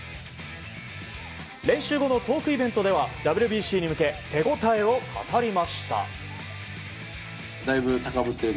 練習後のトークイベントではＷＢＣに向け手応えを語りました。